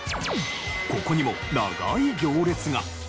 ここにも長い行列が。